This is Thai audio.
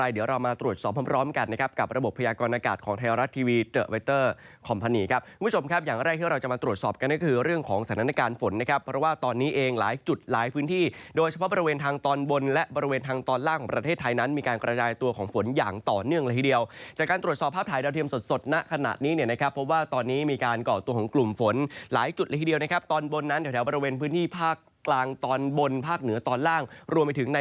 โดยเฉพาะบริเวณทางตอนบนและบริเวณทางตอนล่างของประเทศไทยนั้นมีการกระดายตัวของฝนอย่างต่อเนื่องละทีเดียวจากการตรวจสอบภาพถ่ายดาวเทียมสดณขณะนี้นะครับเพราะว่าตอนนี้มีการก่อตัวของกลุ่มฝนหลายจุดละทีเดียวนะครับตอนบนนั้นแถวบริเวณพื้นที่ภาคกลางตอนบนภาคเหนือตอนล่างร